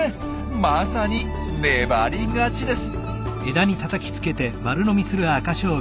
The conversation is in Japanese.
まさに粘り勝ちです。